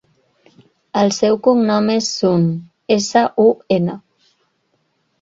El seu cognom és Sun: essa, u, ena.